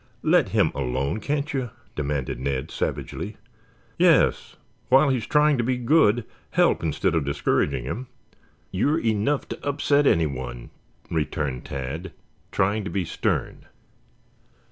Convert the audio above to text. "Let him alone, can't you?" demanded Ned savagely. "Yes, while he is trying to be good, help instead of discouraging him. You are enough to upset anyone," returned Tad, trying to be stern.